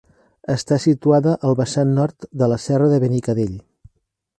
Està situada al vessant nord de la Serra del Benicadell.